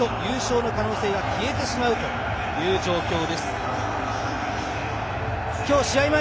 鹿島は今日、勝たないと優勝の可能性が消えてしまうという状況です。